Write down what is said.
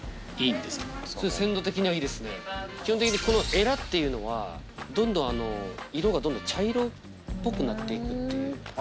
基本的にエラっていうのはどんどん色が茶色っぽくなって行くっていう。